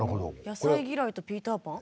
野菜嫌いとピーターパン？